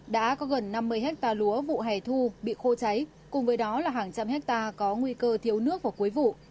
đã có gần năm mươi hectare lúa vụ hè thu bị khô cháy cùng với đó là hàng trăm hectare có nguy cơ thiếu nước vào cuối vụ